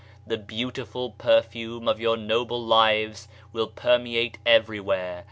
The beautiful perfume of your noble lives will permeate every where.